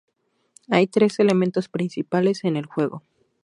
Hay tres elementos principales en el juego.